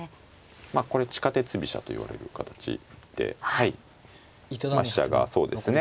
まあこれ地下鉄飛車といわれる形でまあ飛車がそうですね